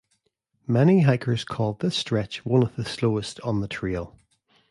Many hikers call this stretch one of the slowest on the trail.